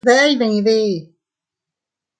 ¿Deʼe iydide?